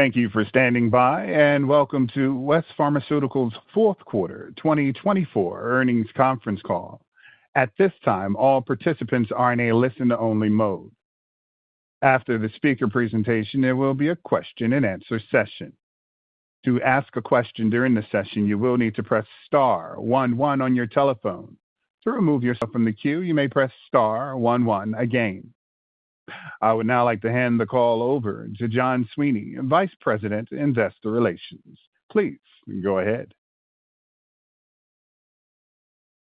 Thank you for standing by, and welcome to West Pharmaceutical's fourth quarter 2024 earnings conference call. At this time, all participants are in a listen-only mode. After the speaker presentation, there will be a question-and-answer session. To ask a question during the session, you will need to press star one one on your telephone. To remove yourself from the queue, you may press star one one again. I would now like to hand the call over to John Sweeney, Vice President, Investor Relations. Please go ahead.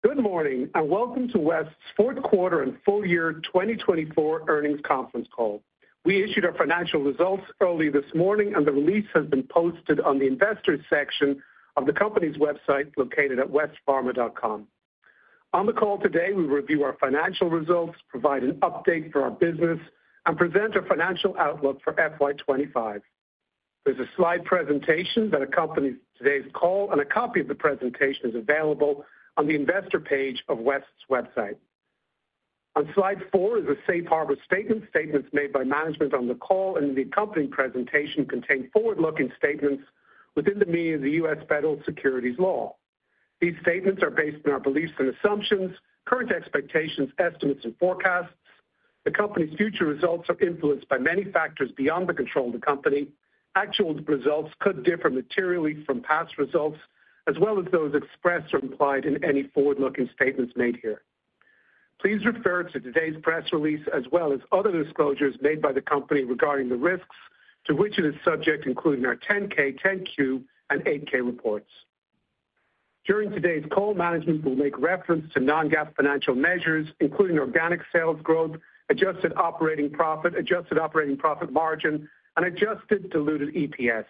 Good morning and welcome to West's fourth quarter and full year 2024 earnings conference call. We issued our financial results early this morning, and the release has been posted on the Investors section of the company's website located at westpharma.com. On the call today, we review our financial results, provide an update for our business, and present our financial outlook for FY25. There's a slide presentation that accompanies today's call, and a copy of the presentation is available on the Investor page of West's website. On slide four is a Safe Harbor Statement. Statements made by management on the call and the accompanying presentation contain forward-looking statements within the meaning of the U.S. Federal Securities Law. These statements are based on our beliefs and assumptions, current expectations, estimates, and forecasts. The company's future results are influenced by many factors beyond the control of the company. Actual results could differ materially from past results, as well as those expressed or implied in any forward-looking statements made here. Please refer to today's press release, as well as other disclosures made by the company regarding the risks to which it is subject, including our 10-K, 10-Q, and 8-K reports. During today's call, management will make reference to non-GAAP financial measures, including organic sales growth, adjusted operating profit, adjusted operating profit margin, and adjusted diluted EPS.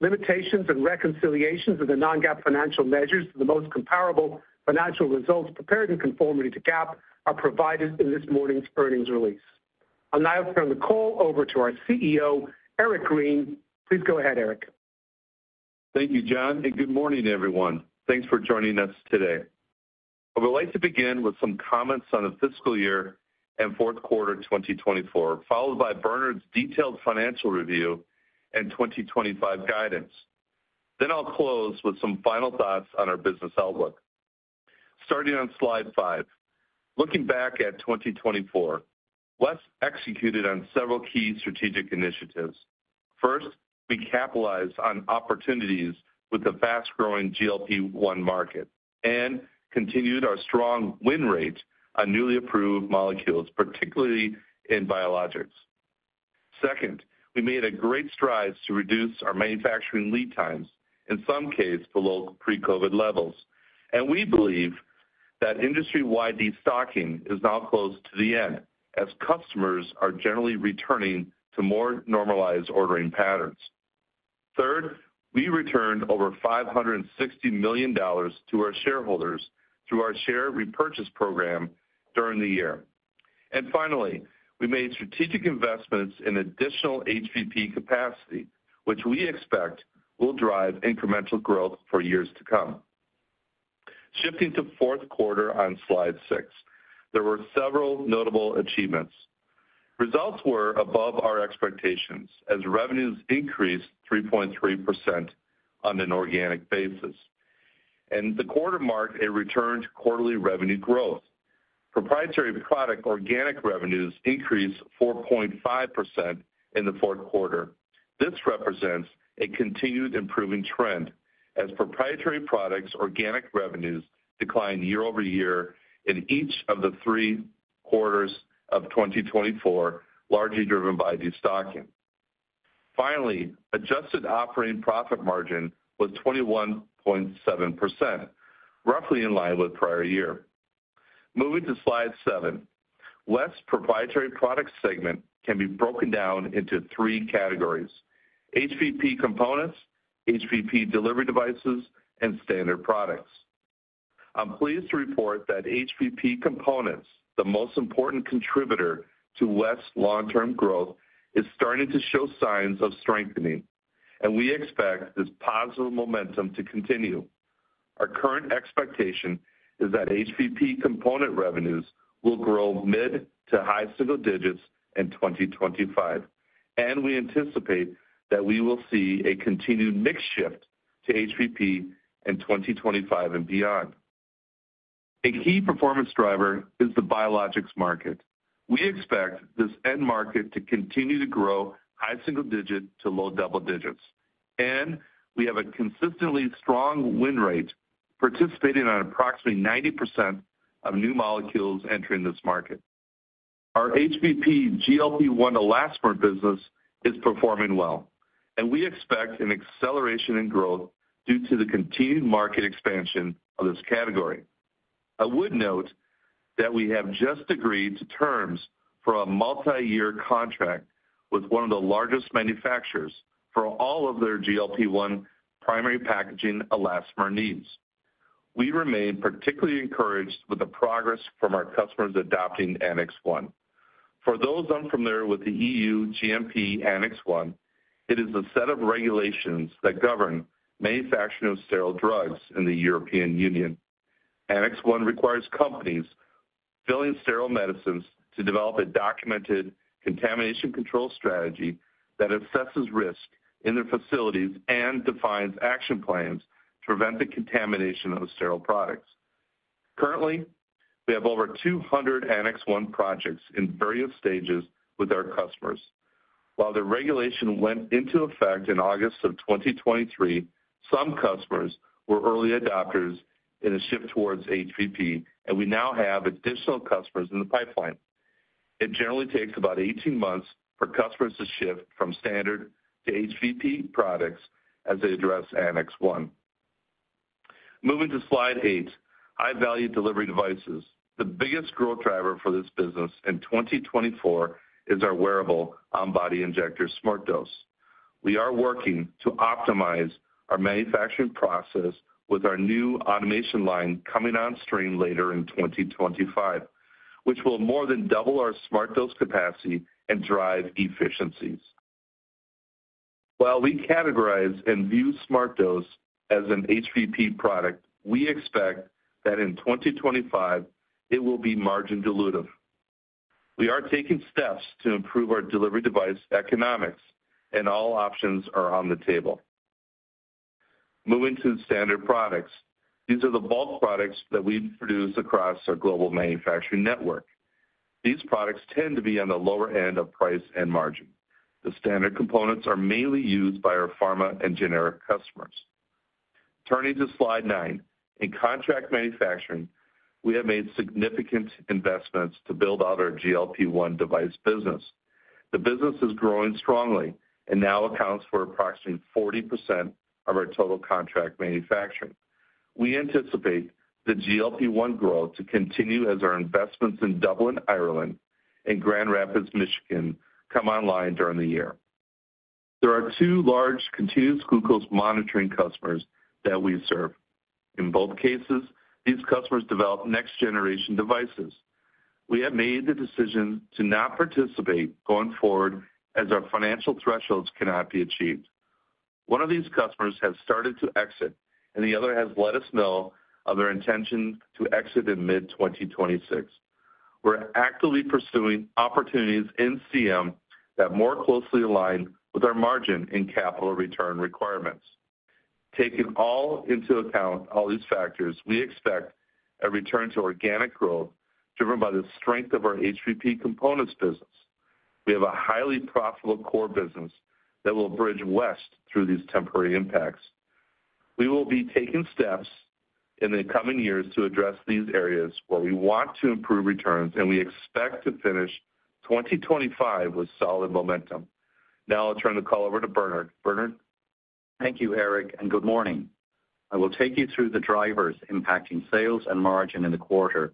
Limitations and reconciliations of the non-GAAP financial measures to the most comparable financial results prepared in conformity to GAAP are provided in this morning's earnings release. I'll now turn the call over to our CEO, Eric Green. Please go ahead, Eric. Thank you, John, and good morning, everyone. Thanks for joining us today. I would like to begin with some comments on the fiscal year and fourth quarter 2024, followed by Bernard's detailed financial review and 2025 guidance. Then I'll close with some final thoughts on our business outlook. Starting on slide five, looking back at 2024, West executed on several key strategic initiatives. First, we capitalized on opportunities with the fast-growing GLP-1 market and continued our strong win rate on newly approved molecules, particularly in Biologics. Second, we made a great stride to reduce our manufacturing lead times, in some cases below pre-COVID levels, and we believe that industry-wide destocking is now close to the end, as customers are generally returning to more normalized ordering patterns. Third, we returned over $560 million to our shareholders through our share repurchase program during the year. And finally, we made strategic investments in additional HVP capacity, which we expect will drive incremental growth for years to come. Shifting to fourth quarter on slide six, there were several notable achievements. Results were above our expectations as revenues increased 3.3% on an organic basis, and the quarter marked a return to quarterly revenue growth. Proprietary product organic revenues increased 4.5% in the fourth quarter. This represents a continued improving trend as proprietary products' organic revenues decline year-over-year in each of the three quarters of 2024, largely driven by destocking. Finally, adjusted operating profit margin was 21.7%, roughly in line with prior year. Moving to slide seven, West's proprietary product segment can be broken down into three categories: HVP components, HVP delivery devices, and standard products. I'm pleased to report that HVP components, the most important contributor to West's long-term growth, are starting to show signs of strengthening, and we expect this positive momentum to continue. Our current expectation is that HVP component revenues will grow mid to high single digits in 2025, and we anticipate that we will see a continued mix shift to HVP in 2025 and beyond. A key performance driver is the biologics market. We expect this end market to continue to grow high single digit to low double digits, and we have a consistently strong win rate, participating on approximately 90% of new molecules entering this market. Our HVP GLP-1 elastomer business is performing well, and we expect an acceleration in growth due to the continued market expansion of this category. I would note that we have just agreed to terms for a multi-year contract with one of the largest manufacturers for all of their GLP-1 primary packaging elastomer needs. We remain particularly encouraged with the progress from our customers adopting Annex 1. For those unfamiliar with the EU GMP Annex 1, it is a set of regulations that govern manufacturing of sterile drugs in the European Union. Annex 1 requires companies filling sterile medicines to develop a documented contamination control strategy that assesses risk in their facilities and defines action plans to prevent the contamination of sterile products. Currently, we have over 200 Annex 1 projects in various stages with our customers. While the regulation went into effect in August of 2023, some customers were early adopters in a shift towards HVP, and we now have additional customers in the pipeline. It generally takes about 18 months for customers to shift from standard to HVP products as they address Annex 1. Moving to slide eight, high-value delivery devices. The biggest growth driver for this business in 2024 is our wearable on-body injector, SmartDose. We are working to optimize our manufacturing process with our new automation line coming on stream later in 2025, which will more than double our SmartDose capacity and drive efficiencies. While we categorize and view SmartDose as an HVP product, we expect that in 2025 it will be margin-dilutive. We are taking steps to improve our delivery device economics, and all options are on the table. Moving to standard products, these are the bulk products that we produce across our global manufacturing network. These products tend to be on the lower end of price and margin. The standard components are mainly used by our pharma and generic customers. Turning to slide nine, in contract manufacturing, we have made significant investments to build out our GLP-1 device business. The business is growing strongly and now accounts for approximately 40% of our total contract manufacturing. We anticipate the GLP-1 growth to continue as our investments in Dublin, Ireland, and Grand Rapids, Michigan come online during the year. There are two large continuous glucose monitoring customers that we serve. In both cases, these customers develop next-generation devices. We have made the decision to not participate going forward as our financial thresholds cannot be achieved. One of these customers has started to exit, and the other has let us know of their intention to exit in mid-2026. We're actively pursuing opportunities in CM that more closely align with our margin and capital return requirements. Taking all into account, all these factors, we expect a return to organic growth driven by the strength of our HVP components business. We have a highly profitable core business that will bridge West through these temporary impacts. We will be taking steps in the coming years to address these areas where we want to improve returns, and we expect to finish 2025 with solid momentum. Now I'll turn the call over to Bernard. Bernard. Thank you, Eric, and good morning. I will take you through the drivers impacting sales and margin in the quarter,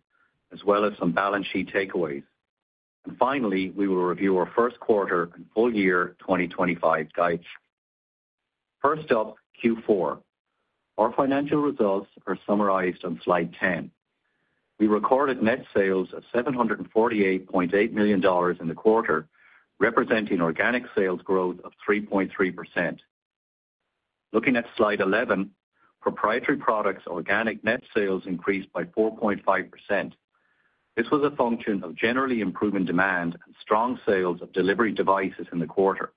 as well as some balance sheet takeaways. And finally, we will review our first quarter and full year 2025 guides. First up, Q4. Our financial results are summarized on slide 10. We recorded net sales of $748.8 million in the quarter, representing organic sales growth of 3.3%. Looking at slide 11, proprietary products' organic net sales increased by 4.5%. This was a function of generally improving demand and strong sales of delivery devices in the quarter.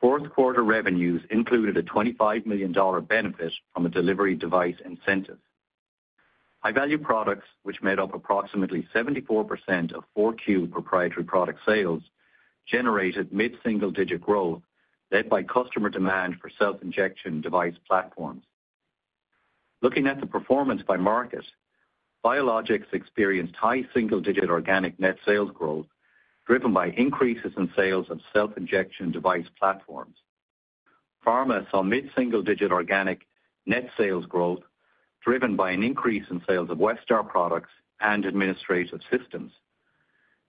Fourth quarter revenues included a $25 million benefit from a delivery device incentive. High-value products, which made up approximately 74% of Q4 proprietary product sales, generated mid-single-digit growth led by customer demand for self-injection device platforms. Looking at the performance by market, Biologics experienced high single-digit organic net sales growth driven by increases in sales of self-injection device platforms. Pharma saw mid-single-digit organic net sales growth driven by an increase in sales of Westar products and administrative systems.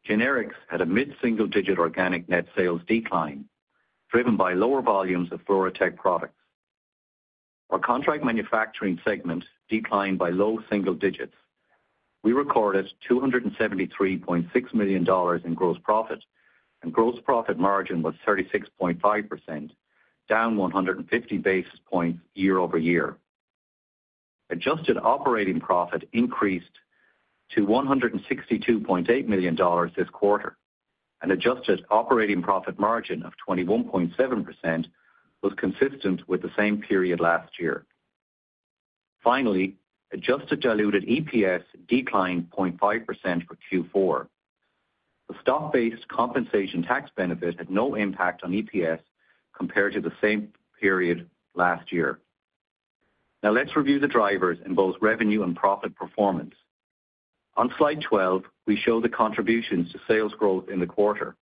Generics had a mid-single-digit organic net sales decline driven by lower volumes of FluroTec products. Our contract manufacturing segment declined by low single digits. We recorded $273.6 million in gross profit, and gross profit margin was 36.5%, down 150 basis points year-over-year. Adjusted operating profit increased to $162.8 million this quarter, and adjusted operating profit margin of 21.7% was consistent with the same period last year. Finally, adjusted diluted EPS declined 0.5% for Q4. The stock-based compensation tax benefit had no impact on EPS compared to the same period last year. Now let's review the drivers in both revenue and profit performance. On slide 12, we show the contributions to sales growth in the quarter.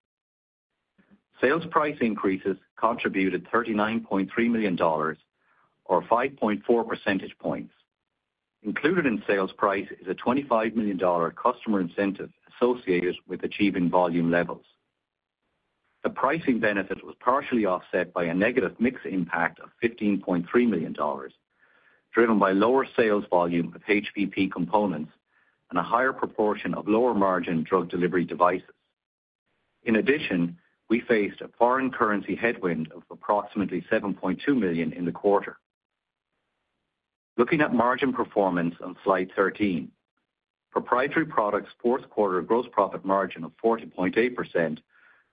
Sales price increases contributed $39.3 million, or 5.4 percentage points. Included in sales price is a $25 million customer incentive associated with achieving volume levels. The pricing benefit was partially offset by a negative mix impact of $15.3 million, driven by lower sales volume of HVP components and a higher proportion of lower margin drug delivery devices. In addition, we faced a foreign currency headwind of approximately $7.2 million in the quarter. Looking at margin performance on slide 13, proprietary products' fourth quarter gross profit margin of 40.8%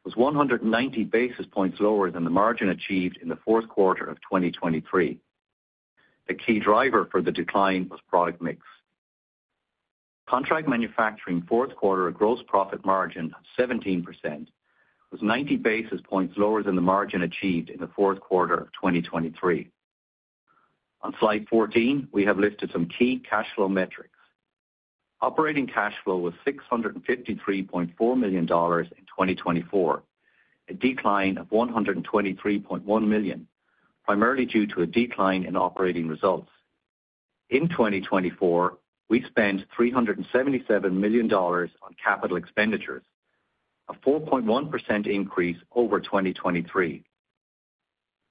was 190 basis points lower than the margin achieved in the fourth quarter of 2023. The key driver for the decline was product mix. Contract manufacturing's fourth quarter gross profit margin of 17% was 90 basis points lower than the margin achieved in the fourth quarter of 2023. On slide 14, we have listed some key cash flow metrics. Operating cash flow was $653.4 million in 2024, a decline of $123.1 million, primarily due to a decline in operating results. In 2024, we spent $377 million on capital expenditures, a 4.1% increase over 2023.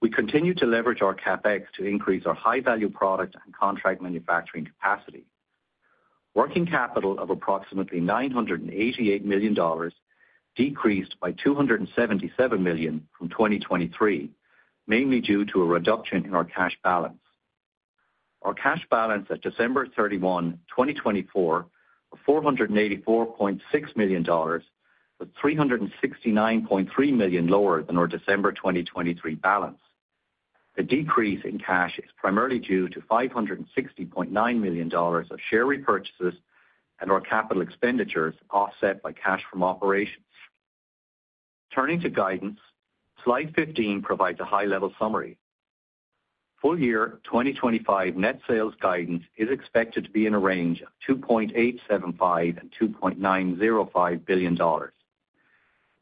We continue to leverage our CapEx to increase our high-value product and contract manufacturing capacity. Working capital of approximately $988 million decreased by $277 million from 2023, mainly due to a reduction in our cash balance. Our cash balance at December 31, 2024, of $484.6 million was $369.3 million lower than our December 2023 balance. The decrease in cash is primarily due to $560.9 million of share repurchases and our capital expenditures offset by cash from operations. Turning to guidance, slide 15 provides a high-level summary. Full year 2025 net sales guidance is expected to be in a range of $2.875 billion-$2.905 billion.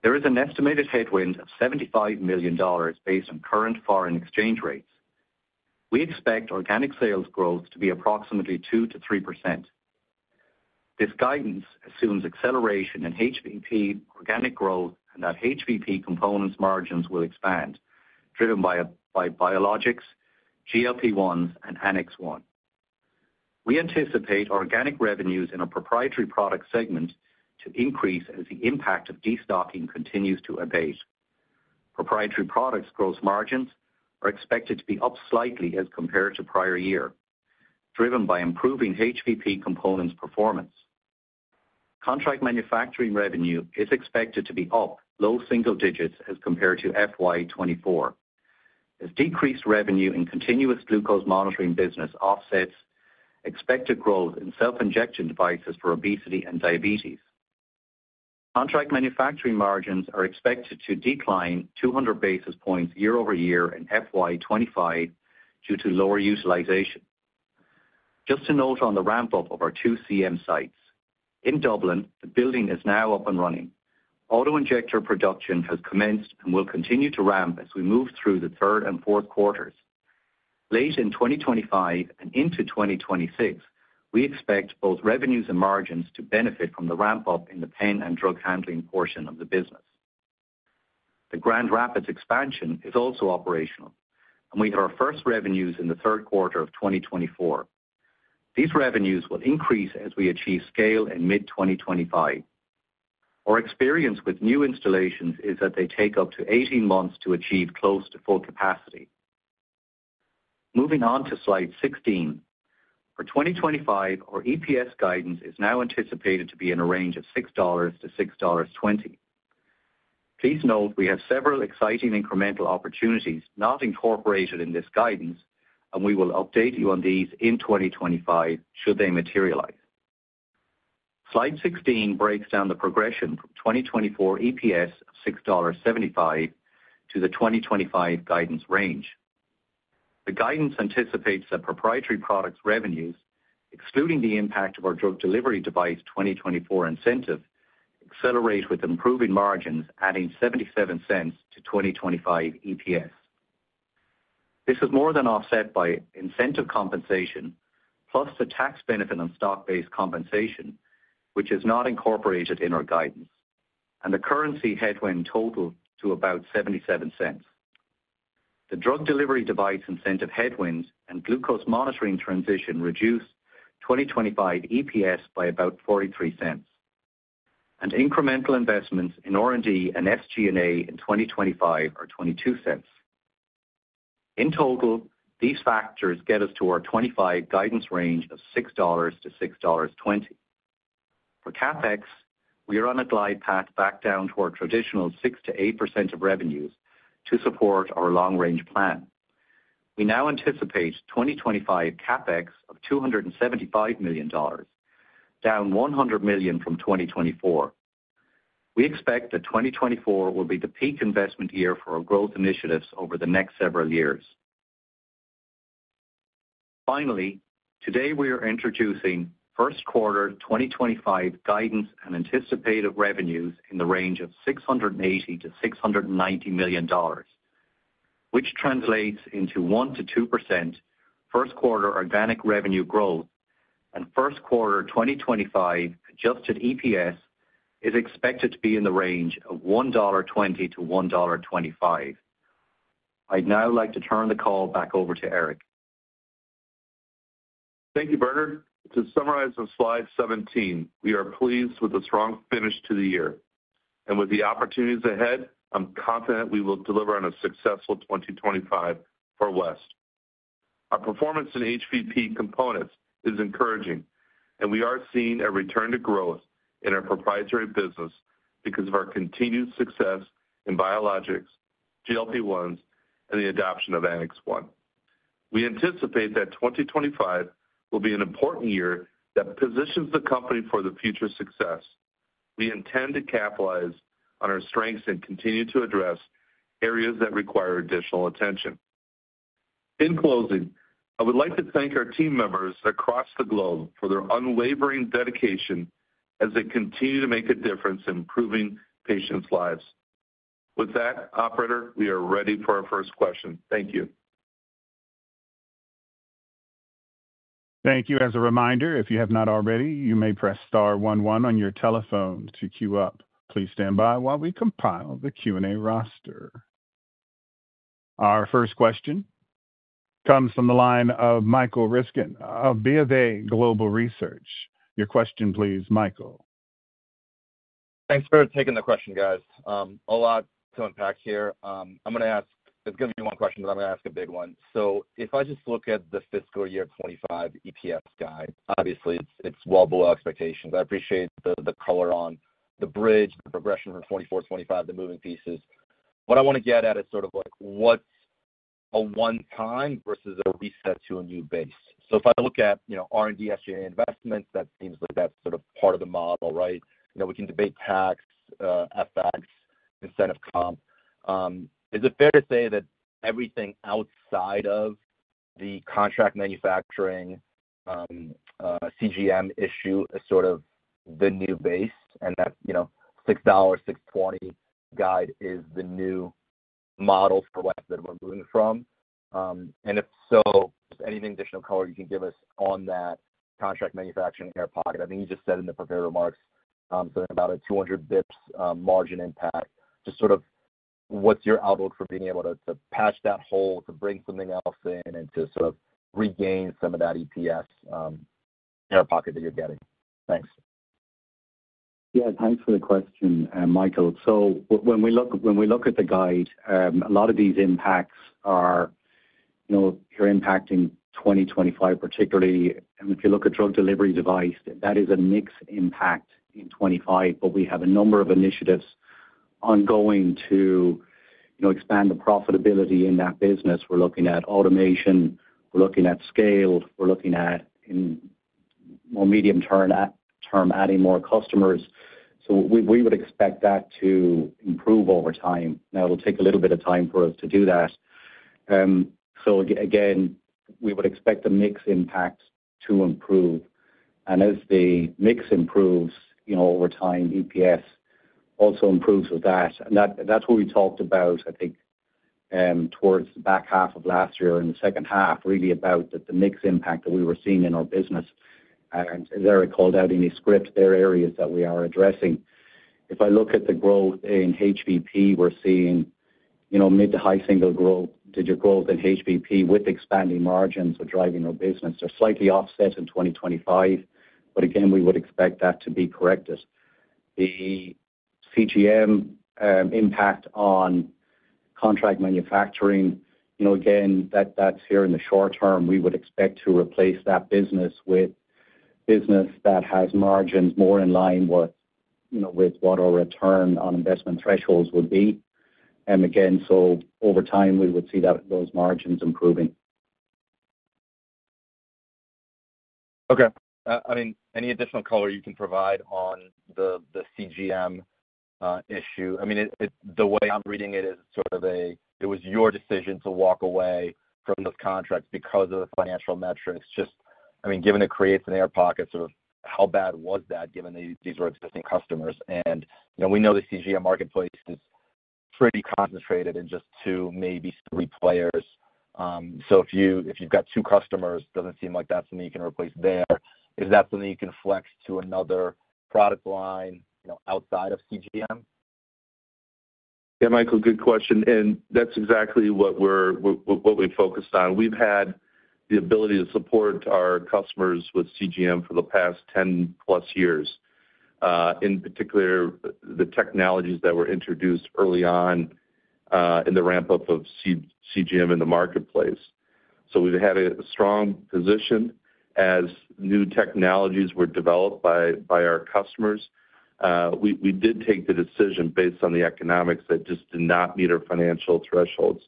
There is an estimated headwind of $75 million based on current foreign exchange rates. We expect organic sales growth to be approximately 2%-3%. This guidance assumes acceleration in HVP organic growth and that HVP components' margins will expand, driven by Biologics, GLP-1s, and Annex 1. We anticipate organic revenues in our proprietary product segment to increase as the impact of destocking continues to abate. Proprietary products' gross margins are expected to be up slightly as compared to prior year, driven by improving HVP components' performance. Contract manufacturing revenue is expected to be up low single digits as compared to FY 2024. As decreased revenue in continuous glucose monitoring business offsets expected growth in self-injection devices for obesity and diabetes, contract manufacturing margins are expected to decline 200 basis points year over year in FY 2025 due to lower utilization. Just a note on the ramp-up of our two CM sites. In Dublin, the building is now up and running. Auto-injector production has commenced and will continue to ramp as we move through the third and fourth quarters. Late in 2025 and into 2026, we expect both revenues and margins to benefit from the ramp-up in the pen and drug handling portion of the business. The Grand Rapids expansion is also operational, and we had our first revenues in the third quarter of 2024. These revenues will increase as we achieve scale in mid-2025. Our experience with new installations is that they take up to 18 months to achieve close to full capacity. Moving on to slide 16. For 2025, our EPS guidance is now anticipated to be in a range of $6-$6.20. Please note we have several exciting incremental opportunities not incorporated in this guidance, and we will update you on these in 2025 should they materialize. Slide 16 breaks down the progression from 2024 EPS of $6.75 to the 2025 guidance range. The guidance anticipates that proprietary products' revenues, excluding the impact of our drug delivery device 2024 incentive, accelerate with improving margins, adding $0.77 to 2025 EPS. This is more than offset by incentive compensation, plus the tax benefit on stock-based compensation, which is not incorporated in our guidance, and the currency headwind totaled to about $0.77. The drug delivery device incentive headwinds and glucose monitoring transition reduce 2025 EPS by about $0.43, and incremental investments in R&D and SG&A in 2025 are $0.22. In total, these factors get us to our 2025 guidance range of $6-$6.20. For CapEx, we are on a glide path back down to our traditional 6%-8% of revenues to support our long-range plan. We now anticipate 2025 CapEx of $275 million, down $100 million from 2024. We expect that 2024 will be the peak investment year for our growth initiatives over the next several years. Finally, today we are introducing first quarter 2025 guidance and anticipated revenues in the range of $680 million-$690 million, which translates into 1%-2% first quarter organic revenue growth, and first quarter 2025 adjusted EPS is expected to be in the range of $1.20-$1.25. I'd now like to turn the call back over to Eric. Thank you, Bernard. To summarize on slide 17, we are pleased with the strong finish to the year and with the opportunities ahead, I'm confident we will deliver on a successful 2025 for West. Our performance in HVP components is encouraging, and we are seeing a return to growth in our proprietary business because of our continued success in Biologics, GLP-1s, and the adoption of Annex 1. We anticipate that 2025 will be an important year that positions the company for the future success. We intend to capitalize on our strengths and continue to address areas that require additional attention. In closing, I would like to thank our team members across the globe for their unwavering dedication as they continue to make a difference in improving patients' lives. With that, Operator, we are ready for our first question. Thank you. Thank you. As a reminder, if you have not already, you may press star one one on your telephone to queue up. Please stand by while we compile the Q&A roster. Our first question comes from the line of Michael Ryskin of Bank of America Global Research. Your question, please, Michael. Thanks for taking the question, guys. A lot to unpack here. I'm going to ask, it's going to be one question, but I'm going to ask a big one. So if I just look at the fiscal year 2025 EPS guide, obviously it's well below expectations. I appreciate the color on the bridge, the progression from 2024 to 2025, the moving pieces. What I want to get at is sort of like what's a one-time versus a reset to a new base. So if I look at R&D, SG&A investments, that seems like that's sort of part of the model, right? We can debate tax, FX, incentive comp. Is it fair to say that everything outside of the contract manufacturing CGM issue is sort of the new base and that $6.20 guide is the new model for West that we're moving from? If so, just anything additional color you can give us on that contract manufacturing in our pocket. I think you just said in the prepared remarks something about a 200 basis points margin impact. Just sort of what's your outlook for being able to patch that hole, to bring something else in, and to sort of regain some of that EPS in our pocket that you're getting? Thanks. Yeah, thanks for the question, Michael. So when we look at the guide, a lot of these impacts are impacting 2025, particularly. And if you look at drug delivery device, that is a mixed impact in 2025, but we have a number of initiatives ongoing to expand the profitability in that business. We're looking at automation, we're looking at scale, we're looking at, in more medium term, adding more customers. So we would expect that to improve over time. Now, it'll take a little bit of time for us to do that. So again, we would expect a mixed impact to improve. And as the mix improves over time, EPS also improves with that. And that's what we talked about, I think, towards the back half of last year and the second half, really about the mixed impact that we were seeing in our business. And as Eric called out in his script, there are areas that we are addressing. If I look at the growth in HVP, we're seeing mid- to high-single-digit growth in HVP with expanding margins for driving our business. They're slightly offset in 2025, but again, we would expect that to be corrected. The CGM impact on contract manufacturing, again, that's here in the short term. We would expect to replace that business with business that has margins more in line with what our return on investment thresholds would be. And again, so over time, we would see those margins improving. Okay. I mean, any additional color you can provide on the CGM issue? I mean, the way I'm reading it is sort of a, it was your decision to walk away from those contracts because of the financial metrics. Just, I mean, given it creates a hole in our pocket sort of how bad was that, given these were existing customers. And we know the CGM marketplace is pretty concentrated in just two, maybe three players. So if you've got two customers, it doesn't seem like that's something you can replace there. Is that something you can flex to another product line outside of CGM? Yeah, Michael, good question. And that's exactly what we've focused on. We've had the ability to support our customers with CGM for the past 10+ years, in particular the technologies that were introduced early on in the ramp-up of CGM in the marketplace. So we've had a strong position as new technologies were developed by our customers. We did take the decision based on the economics that just did not meet our financial thresholds.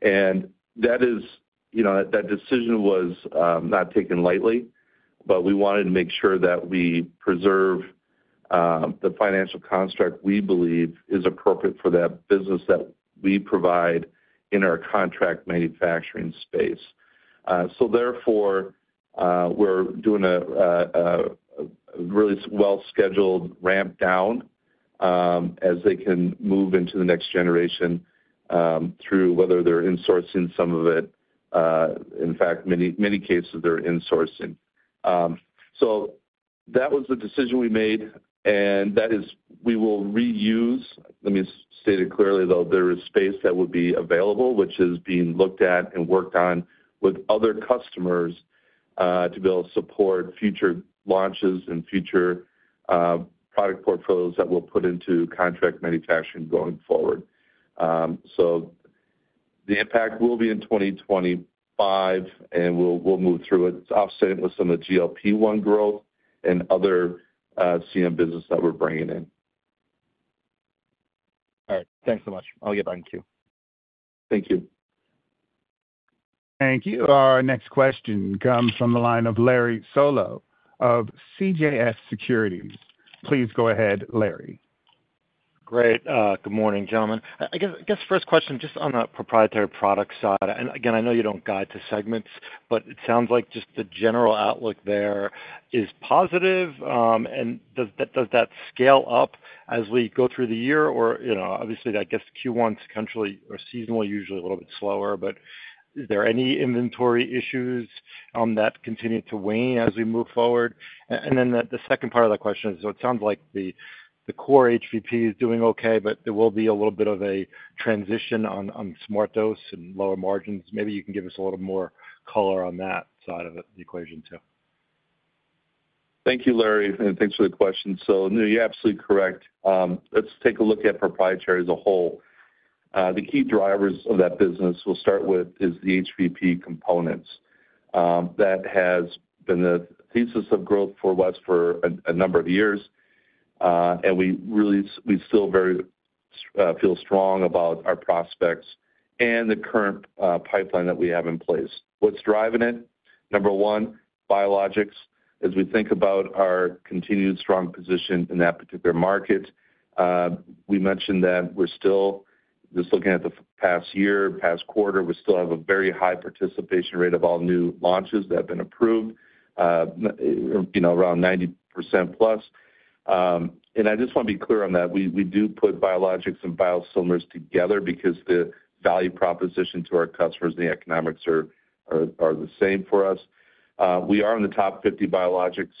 And that decision was not taken lightly, but we wanted to make sure that we preserve the financial construct we believe is appropriate for that business that we provide in our contract manufacturing space. So therefore, we're doing a really well-scheduled ramp-down as they can move into the next generation through whether they're insourcing some of it. In fact, in many cases, they're insourcing. So that was the decision we made. And that is we will reuse. Let me state it clearly, though. There is space that would be available, which is being looked at and worked on with other customers to be able to support future launches and future product portfolios that we'll put into contract manufacturing going forward. So the impact will be in 2025, and we'll move through it. It's offset with some of the GLP-1 growth and other CM business that we're bringing in. All right. Thanks so much. I'll get back to you. Thank you. Thank you. Our next question comes from the line of Larry Solow of CJS Securities. Please go ahead, Larry. Great. Good morning, gentlemen. I guess first question, just on the proprietary product side. And again, I know you don't guide to segments, but it sounds like just the general outlook there is positive. And does that scale up as we go through the year? Or obviously, I guess Q1's essentially or seasonal usually a little bit slower, but is there any inventory issues that continue to wane as we move forward? And then the second part of the question is, so it sounds like the core HVP is doing okay, but there will be a little bit of a transition on SmartDose and lower margins. Maybe you can give us a little more color on that side of the equation too. Thank you, Larry, and thanks for the question. So no, you're absolutely correct. Let's take a look at proprietary as a whole. The key drivers of that business we'll start with is the HVP components. That has been the thesis of growth for West for a number of years. And we still feel strong about our prospects and the current pipeline that we have in place. What's driving it? Number one, Biologics. As we think about our continued strong position in that particular market, we mentioned that we're still just looking at the past year, past quarter, we still have a very high participation rate of all new launches that have been approved, around 90%+. And I just want to be clear on that. We do put biologics and biosimilars together because the value proposition to our customers and the economics are the same for us. We are in the top 50 biologics,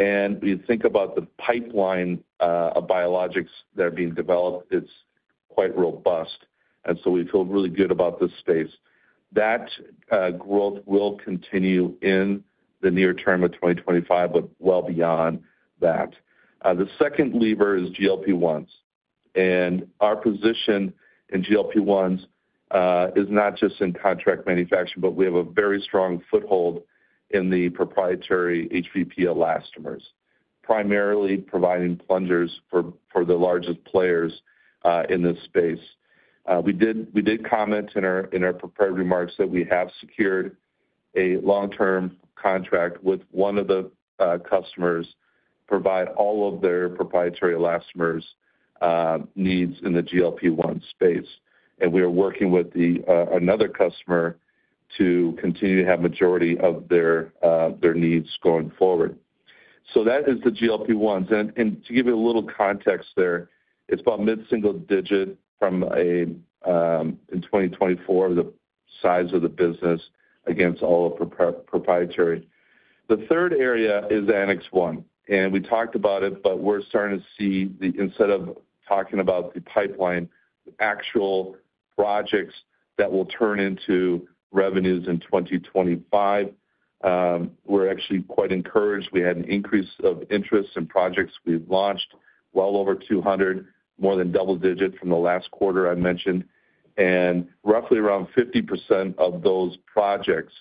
and if you think about the pipeline of biologics that are being developed, it's quite robust. And so we feel really good about this space. That growth will continue in the near term of 2025, but well beyond that. The second lever is GLP-1s, and our position in GLP-1s is not just in contract manufacturing, but we have a very strong foothold in the proprietary HVP elastomers, primarily providing plungers for the largest players in this space. We did comment in our prepared remarks that we have secured a long-term contract with one of the customers to provide all of their proprietary elastomers needs in the GLP-1 space, and we are working with another customer to continue to have the majority of their needs going forward, so that is the GLP-1s. To give you a little context there, it's about mid-single-digit from a, in 2024, the size of the business against all of proprietary. The third area is Annex 1. We talked about it, but we're starting to see the, instead of talking about the pipeline, the actual projects that will turn into revenues in 2025. We're actually quite encouraged. We had an increase of interest in projects we've launched, well over 200, more than double-digit from the last quarter I mentioned. Roughly around 50% of those projects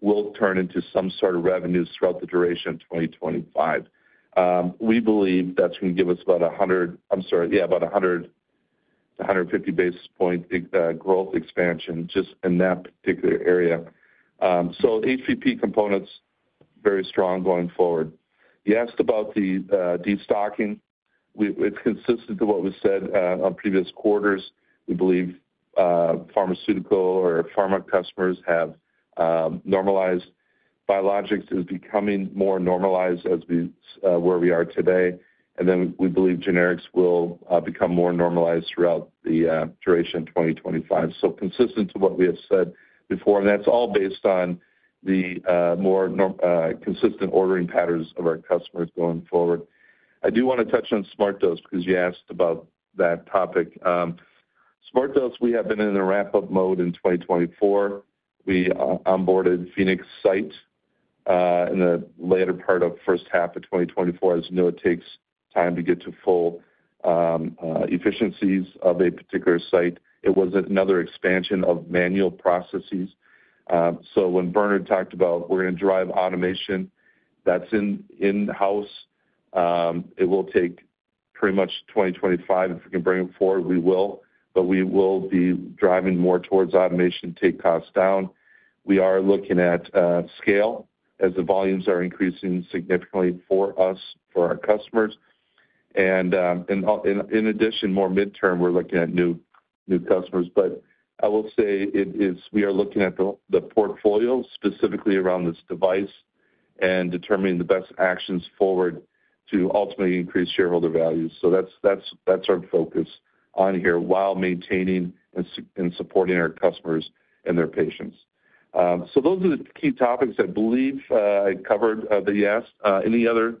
will turn into some sort of revenues throughout the duration of 2025. We believe that's going to give us about 100. I'm sorry, yeah, about 100-150 basis points growth expansion just in that particular area. So HVP components, very strong going forward. You asked about the destocking. It's consistent to what was said on previous quarters. We believe pharmaceutical or pharma customers have normalized. Biologics is becoming more normalized as we are where we are today, and then we believe generics will become more normalized throughout the duration of 2025, so consistent to what we have said before, and that's all based on the more consistent ordering patterns of our customers going forward. I do want to touch on SmartDose because you asked about that topic. SmartDose, we have been in a ramp-up mode in 2024. We onboarded Phoenix Site in the later part of first half of 2024. As you know, it takes time to get to full efficiencies of a particular site. It was another expansion of manual processes, so when Bernard talked about, "We're going to drive automation," that's in-house. It will take pretty much 2025. If we can bring it forward, we will. But we will be driving more towards automation to take costs down. We are looking at scale as the volumes are increasing significantly for us, for our customers. And in addition, more midterm, we are looking at new customers. But I will say we are looking at the portfolio specifically around this device and determining the best actions forward to ultimately increase shareholder values. So that is our focus on here while maintaining and supporting our customers and their patients. So those are the key topics I believe I covered. Yes. Any other,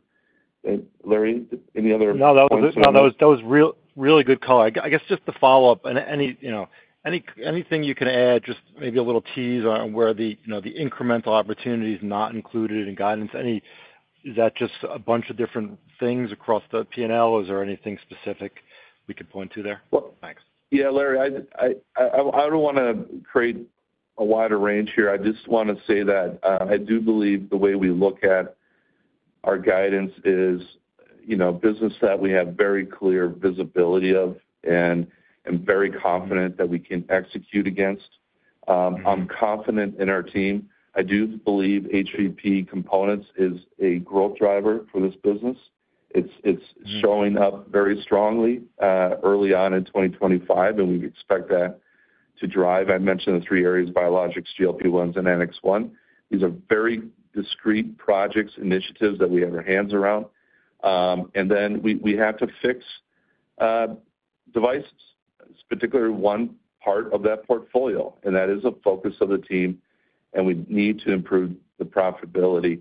Larry? No, that was really good color. I guess just to follow up, anything you can add, just maybe a little tease on where the incremental opportunities not included in guidance. Is that just a bunch of different things across the P&L? Is there anything specific we could point to there? Thanks. Yeah, Larry, I don't want to create a wider range here. I just want to say that I do believe the way we look at our guidance is business that we have very clear visibility of and very confident that we can execute against. I'm confident in our team. I do believe HVP components is a growth driver for this business. It's showing up very strongly early on in 2025, and we expect that to drive. I mentioned the three areas: Biologics, GLP-1s, and Annex 1. These are very discrete projects, initiatives that we have our hands around, and then we have to fix devices, particularly one part of that portfolio, and that is a focus of the team, and we need to improve the profitability,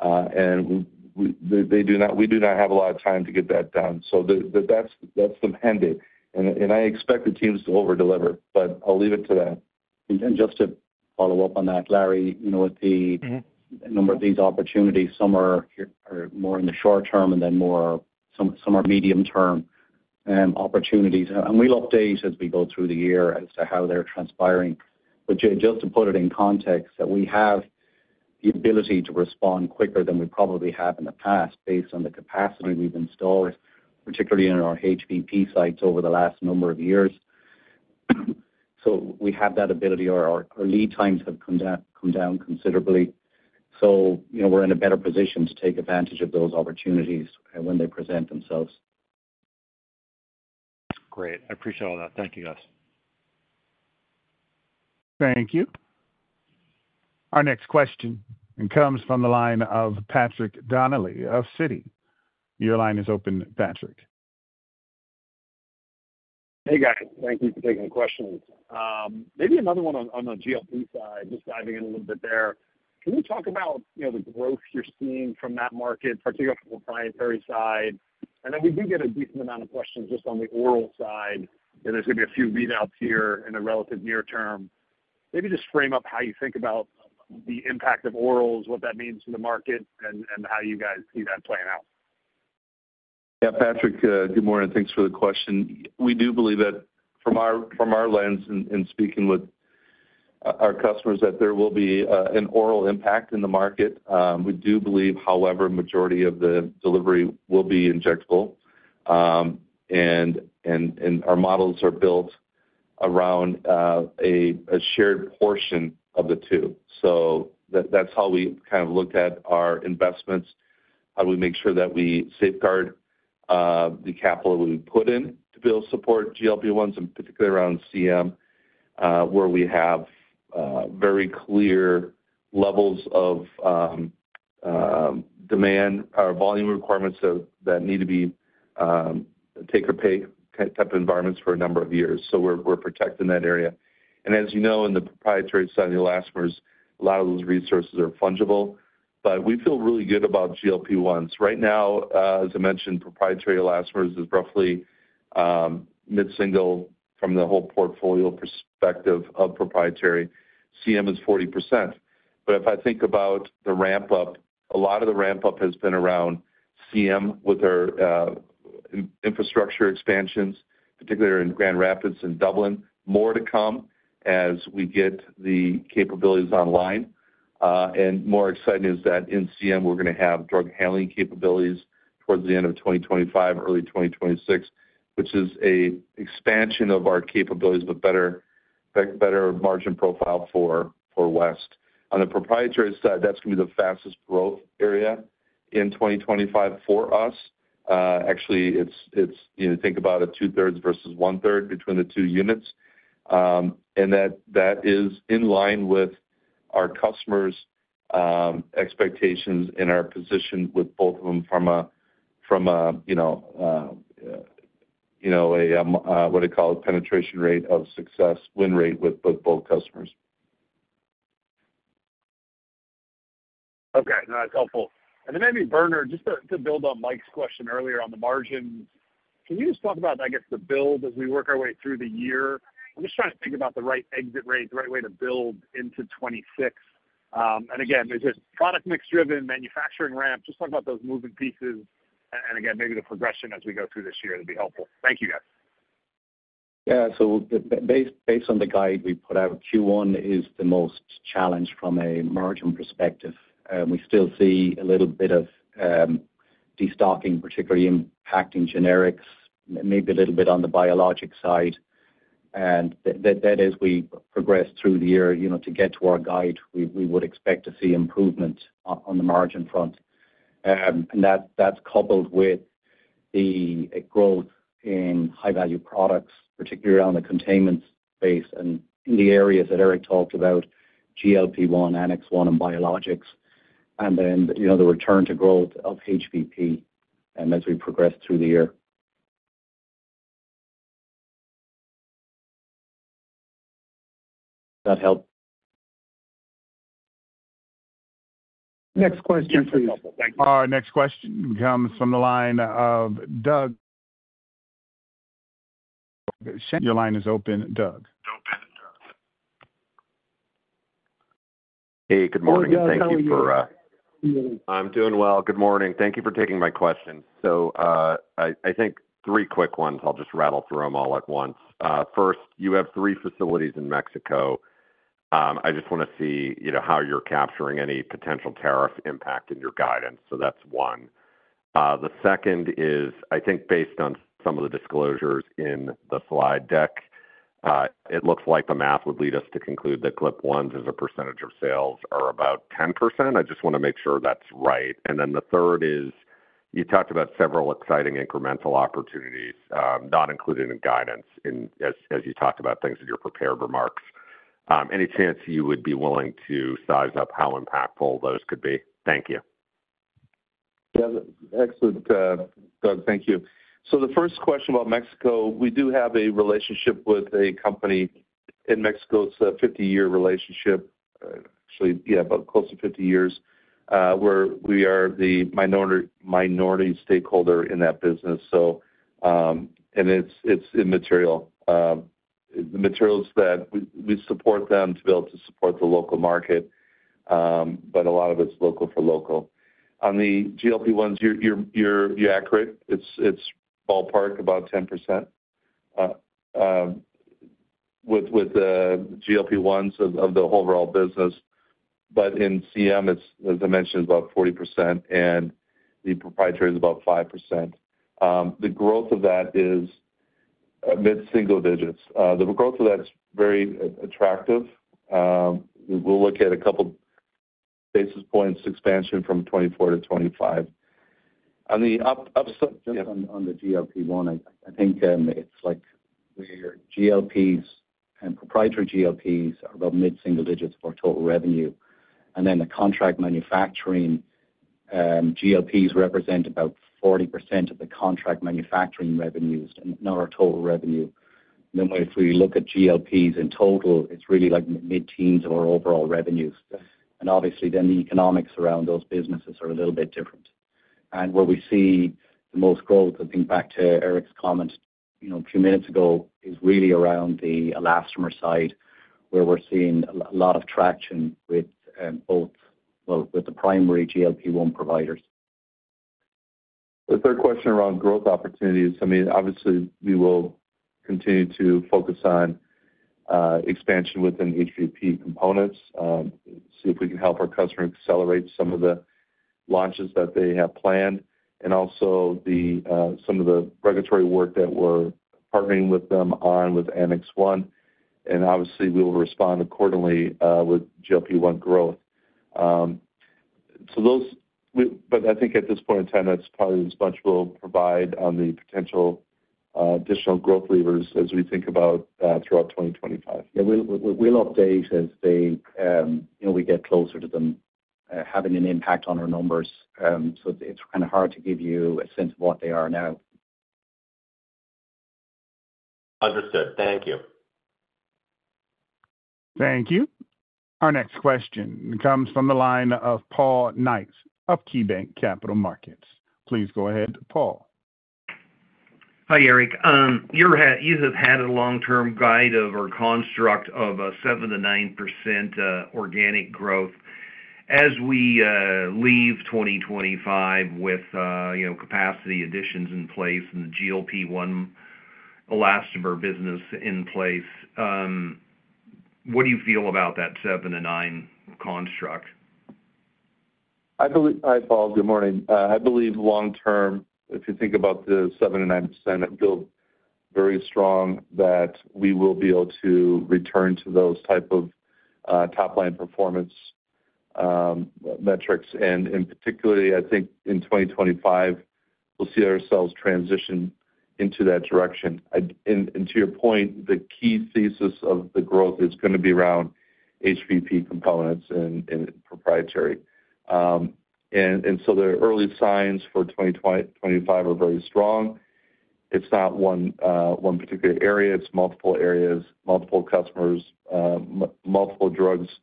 and we do not have a lot of time to get that done, so that's the mandate. I expect the teams to overdeliver, but I'll leave it to that. Just to follow up on that, Larry, with the number of these opportunities, some are more in the short term and then some are medium-term opportunities. We'll update as we go through the year as to how they're transpiring. Just to put it in context, we have the ability to respond quicker than we probably have in the past based on the capacity we've installed, particularly in our HVP sites over the last number of years. We have that ability. Our lead times have come down considerably. We're in a better position to take advantage of those opportunities when they present themselves. Great. I appreciate all that. Thank you, guys. Thank you. Our next question comes from the line of Patrick Donnelly of Citi. Your line is open, Patrick. Hey, guys. Thank you for taking the questions. Maybe another one on the GLP side, just diving in a little bit there. Can you talk about the growth you're seeing from that market, particularly on the proprietary side? And then we do get a decent amount of questions just on the oral side. And there's going to be a few readouts here in the relative near term. Maybe just frame up how you think about the impact of orals, what that means for the market, and how you guys see that playing out. Yeah, Patrick, good morning. Thanks for the question. We do believe that from our lens and speaking with our customers that there will be an oral impact in the market. We do believe, however, the majority of the delivery will be injectable. And our models are built around a shared portion of the two. So that's how we kind of looked at our investments, how do we make sure that we safeguard the capital we put in to build support GLP-1s, and particularly around CM, where we have very clear levels of demand, our volume requirements that need to be take-or-pay type of environments for a number of years. So we're protecting that area. And as you know, in the proprietary side of the elastomers, a lot of those resources are fungible. But we feel really good about GLP-1s. Right now, as I mentioned, proprietary elastomers is roughly mid-single from the whole portfolio perspective of proprietary. CM is 40%. But if I think about the ramp-up, a lot of the ramp-up has been around CM with our infrastructure expansions, particularly in Grand Rapids and Dublin. More to come as we get the capabilities online. And more exciting is that in CM, we're going to have drug handling capabilities towards the end of 2025, early 2026, which is an expansion of our capabilities, but better margin profile for West. On the proprietary side, that's going to be the fastest growth area in 2025 for us. Actually, it's, think about a 2/3 versus 1/3 between the two units. And that is in line with our customers' expectations and our position with both of them from a, what do you call it, penetration rate of success, win rate with both customers. Okay. No, that's helpful. And then maybe Bernard, just to build on Mike's question earlier on the margins, can you just talk about, I guess, the build as we work our way through the year? I'm just trying to think about the right exit rate, the right way to build into 2026. And again, is it product mix driven, manufacturing ramp? Just talk about those moving pieces. And again, maybe the progression as we go through this year would be helpful. Thank you, guys. Yeah. So based on the guide we put out, Q1 is the most challenged from a margin perspective. We still see a little bit of destocking, particularly impacting generics, maybe a little bit on the biologic side. And that is, we progress through the year to get to our guide, we would expect to see improvement on the margin front. And that's coupled with the growth in high-value products, particularly around the containment space and in the areas that Eric talked about, GLP-1, Annex 1, and Biologics. And then the return to growth of HVP as we progress through the year. Does that help? Next question for you. Next question comes from the line of Doug. Your line is open, Doug. Hey, good morning. Thank you for. Good morning. I'm doing well. Good morning. Thank you for taking my question. So I think three quick ones. I'll just rattle through them all at once. First, you have three facilities in Mexico. I just want to see how you're capturing any potential tariff impact in your guidance. So that's one. The second is, I think based on some of the disclosures in the slide deck, it looks like the math would lead us to conclude that GLP-1s, as a percentage of sales, are about 10%. I just want to make sure that's right. And then the third is, you talked about several exciting incremental opportunities not included in guidance, as you talked about things in your prepared remarks. Any chance you would be willing to size up how impactful those could be? Thank you. Yeah. Excellent, Doug. Thank you. So the first question about Mexico, we do have a relationship with a company in Mexico. It's a 50-year relationship, actually, yeah, about close to 50 years, where we are the minority stakeholder in that business. And it's immaterial. The materials that we support them to be able to support the local market, but a lot of it's local for local. On the GLP-1s, you're accurate. It's ballpark about 10% with the GLP-1s of the overall business. But in CM, as I mentioned, it's about 40%, and the proprietary is about 5%. The growth of that is mid-single digits. The growth of that's very attractive. We'll look at a couple of basis points expansion from 2024 to 2025. On the upside. Just on the GLP-1, I think it's like GLPs and proprietary GLPs are about mid-single digits of our total revenue, and then the contract manufacturing GLPs represent about 40% of the contract manufacturing revenues in our total revenue. Then if we look at GLPs in total, it's really like mid-teens of our overall revenues, and obviously the economics around those businesses are a little bit different. And where we see the most growth, I think back to Eric's comment a few minutes ago, is really around the elastomer side, where we're seeing a lot of traction with both, well, with the primary GLP-1 providers. The third question around growth opportunities, I mean, obviously, we will continue to focus on expansion within HVP components, see if we can help our customer accelerate some of the launches that they have planned, and also some of the regulatory work that we're partnering with them on with Annex 1. And obviously, we will respond accordingly with GLP-1 growth. But I think at this point in time, that's probably as much we'll provide on the potential additional growth levers as we think about throughout 2025. Yeah. We'll update as we get closer to them having an impact on our numbers. So it's kind of hard to give you a sense of what they are now. Understood. Thank you. Thank you. Our next question comes from the line of Paul Knight of KeyBanc Capital Markets. Please go ahead, Paul. Hi, Eric. You have had a long-term guide of our construct of a 7%-9% organic growth. As we leave 2025 with capacity additions in place and the GLP-1 elastomer business in place, what do you feel about that 7%-9% construct? I believe, Paul. Good morning. I believe long-term, if you think about the 7%-9%, it feels very strong that we will be able to return to those type of top-line performance metrics. And in particular, I think in 2025, we'll see ourselves transition into that direction. And to your point, the key thesis of the growth is going to be around HVP components and proprietary. And so the early signs for 2025 are very strong. It's not one particular area. It's multiple areas, multiple customers, multiple drugs, and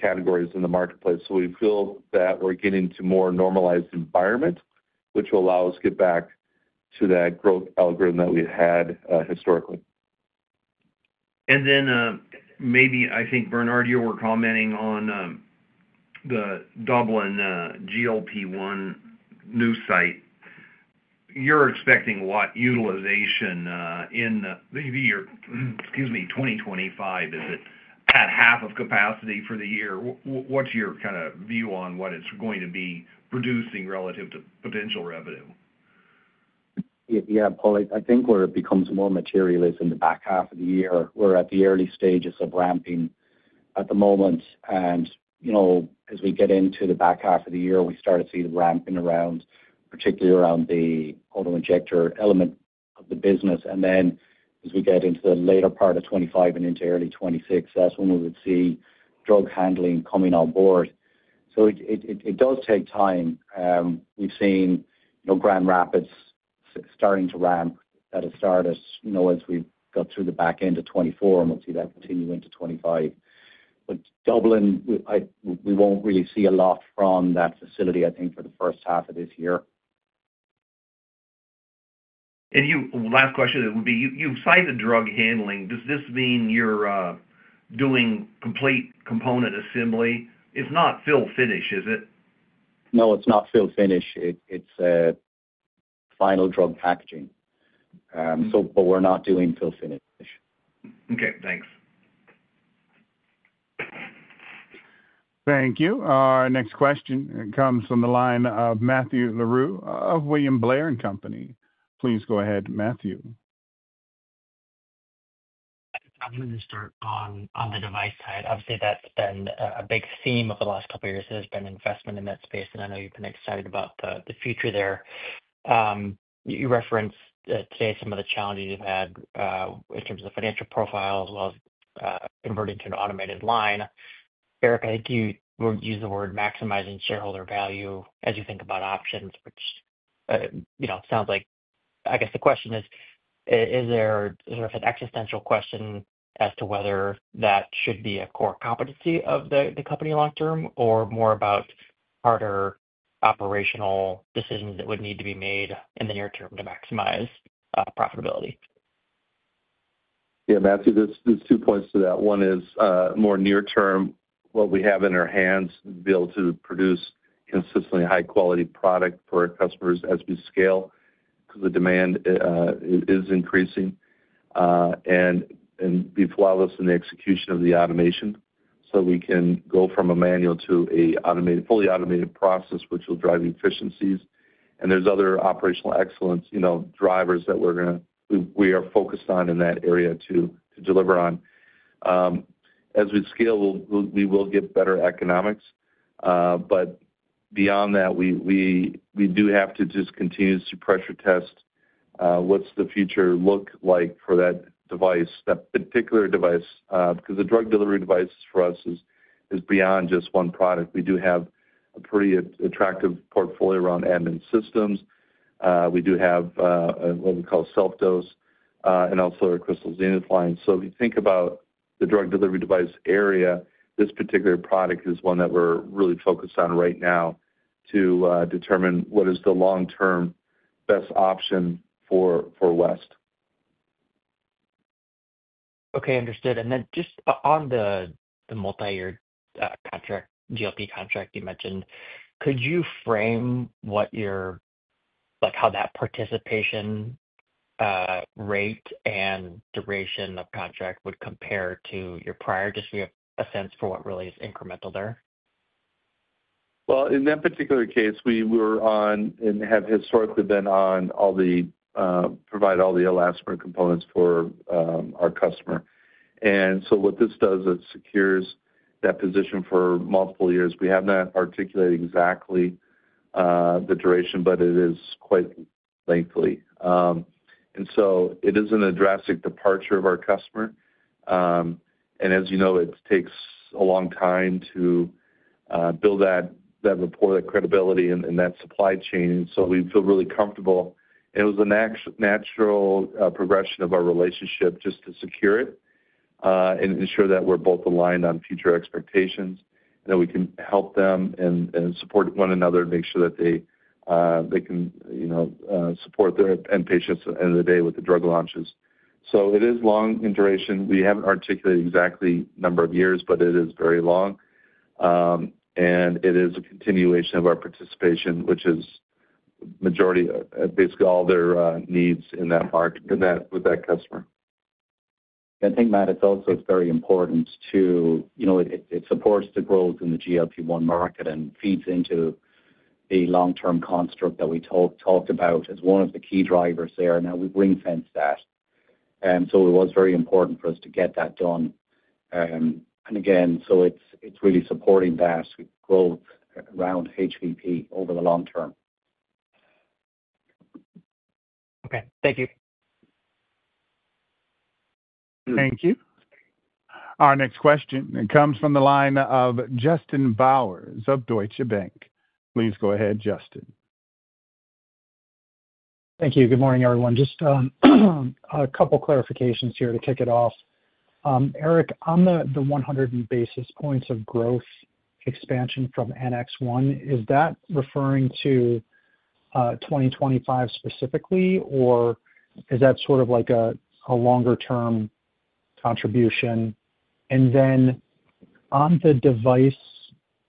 categories in the marketplace. So we feel that we're getting to a more normalized environment, which will allow us to get back to that growth algorithm that we had historically. And then maybe, I think, Bernard, you were commenting on the Dublin GLP-1 new site. You're expecting a lot of utilization in the year, excuse me, 2025. Is it at half of capacity for the year? What's your kind of view on what it's going to be producing relative to potential revenue? Yeah, Paul, I think where it becomes more material is in the back half of the year. We're at the early stages of ramping at the moment, and as we get into the back half of the year, we start to see the ramping around, particularly around the auto-injector element of the business, and then as we get into the later part of 2025 and into early 2026, that's when we would see drug handling coming on board, so it does take time. We've seen Grand Rapids starting to ramp at a start as we've got through the back end of 2024, and we'll see that continue into 2025, but Dublin, we won't really see a lot from that facility, I think, for the first half of this year. And last question would be, you cited drug handling. Does this mean you're doing complete component assembly? It's not fill-finish, is it? No, it's not fill-finish. It's final drug packaging. But we're not doing fill-finish. Okay. Thanks. Thank you. Our next question comes from the line of Matthew Larew of William Blair & Company. Please go ahead, Matthew. I'm going to start on the device side. Obviously, that's been a big theme of the last couple of years. There's been investment in that space, and I know you've been excited about the future there. You referenced today some of the challenges you've had in terms of the financial profile as well as converting to an automated line. Eric, I think you would use the word maximizing shareholder value as you think about options, which sounds like I guess the question is, is there sort of an existential question as to whether that should be a core competency of the company long-term or more about harder operational decisions that would need to be made in the near term to maximize profitability? Yeah, Matthew, there's two points to that. One is more near-term, what we have in our hands to be able to produce consistently high-quality product for our customers as we scale because the demand is increasing and be flawless in the execution of the automation. So we can go from a manual to a fully automated process, which will drive efficiencies. And there's other operational excellence drivers that we are focused on in that area to deliver on. As we scale, we will get better economics. But beyond that, we do have to just continue to pressure test what's the future look like for that device, that particular device, because the drug delivery device for us is beyond just one product. We do have a pretty attractive portfolio around admin systems. We do have what we call SelfDose and also our Crystal Zenith line. So if you think about the drug delivery device area, this particular product is one that we're really focused on right now to determine what is the long-term best option for West. Okay. Understood. And then just on the multi-year contract, GLP contract you mentioned, could you frame how that participation rate and duration of contract would compare to your prior just so we have a sense for what really is incremental there? In that particular case, we were on, and have historically been on, to provide all the elastomer components for our customer. And so what this does, it secures that position for multiple years. We have not articulated exactly the duration, but it is quite lengthy. And so it isn't a drastic departure from our customer. And as you know, it takes a long time to build that rapport, that credibility, and that supply chain. And so we feel really comfortable. And it was a natural progression of our relationship just to secure it and ensure that we're both aligned on future expectations and that we can help them and support one another and make sure that they can support their end patients at the end of the day with the drug launches, so it is long in duration. We haven't articulated exactly the number of years, but it is very long, and it is a continuation of our participation, which is majority of basically all their needs in that market with that customer. I think, Matt, it's also very important. It supports the growth in the GLP-1 market and feeds into the long-term construct that we talked about as one of the key drivers there. Now, we've ring-fenced that. And again, so it's really supporting that growth around HVP over the long term. Okay. Thank you. Thank you. Our next question comes from the line of Justin Bowers of Deutsche Bank. Please go ahead, Justin. Thank you. Good morning, everyone. Just a couple of clarifications here to kick it off. Eric, on the 100 basis points of growth expansion from Annex 1, is that referring to 2025 specifically, or is that sort of like a longer-term contribution? And then on the device